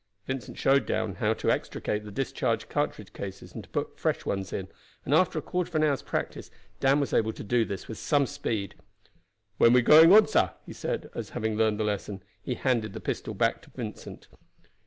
Vincent showed Dan how to extricate the discharged cartridge cases and to put in fresh ones, and after a quarter of an hour's practice Dan was able to do this with some speed. "When we going on, sah?" he said as, having learned the lesson, he handed the pistol back to Vincent.